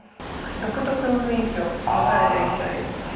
独特な雰囲気を持たれてる印象ありますね。